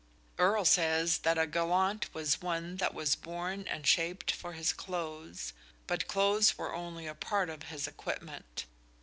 Earle says that a gallant was one that was born and shaped for his clothes but clothes were only a part of his equipment.